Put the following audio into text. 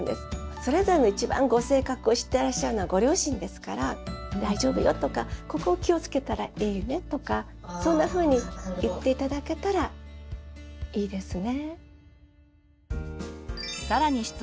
それぞれの一番ご性格を知ってらっしゃるのはご両親ですから大丈夫よとかここを気をつけたらいいねとかそんなふうに言って頂けたらいいですね。